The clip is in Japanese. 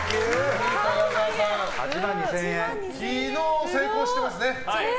昨日、成功してますね。